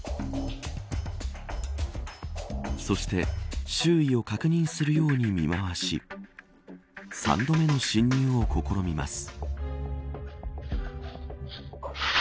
そして周囲を確認するように見回し３度目の侵入を試みます。